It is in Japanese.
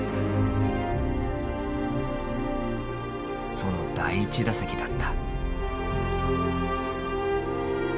その第１打席だった。